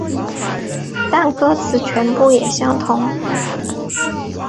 但歌词全部也相同。